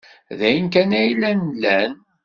D ayen kan ay llan lan.